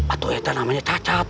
atau itu namanya cacat